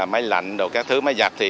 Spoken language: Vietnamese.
máy lạnh các thứ máy giặt thì